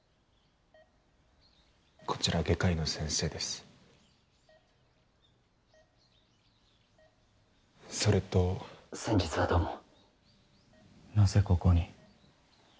こちら外科医の先生ですそれと先日はどうもなぜここに？